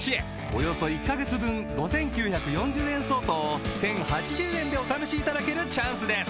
およそ１カ月分５，９４０円相当を１，０８０円でお試しいただけるチャンスです